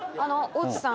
大津さん